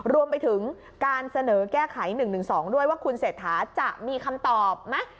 รวมไปถึงการเสนอแก้ไข๑๑๒ด้วยว่าคุณเศรษฐาจะมีคำตอบไหม